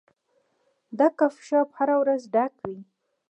دا کافي شاپ هره ورځ ډک وي.